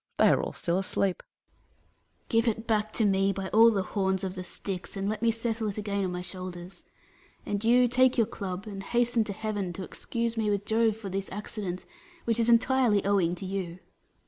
They are all still asleep. Atlas. Give it back to me, by all the horns of the Styx, and let me settle it again on my shoulders. And you, take your club, and hasten to heaven to excuse me with Jove for this accident, which is entirely owing to you. Hercules.